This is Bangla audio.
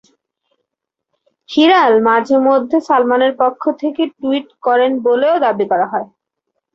হিরাল মাঝে-মধ্যে সালমানের পক্ষ থেকে টুইট করেন বলেও দাবি করা হয়।